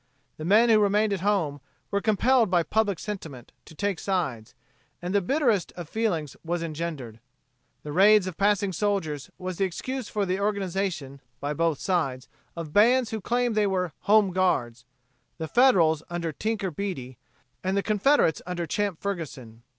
The men who remained at home were compelled by public sentiment to take sides, and the bitterest of feeling was engendered. The raids of passing soldiers was the excuse for the organization, by both sides, of bands who claimed they were "Home Guards" the Federals under "Tinker" Beaty, and the Confederates under Champ Ferguson.